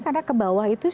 karena kebawah itu